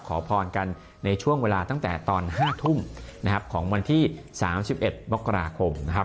ขอพรกันในช่วงเวลาตั้งแต่ตอน๕ทุ่มนะครับของวันที่๓๑มกราคมนะครับ